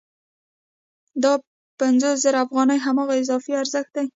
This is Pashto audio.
دا پنځوس زره افغانۍ هماغه اضافي ارزښت دی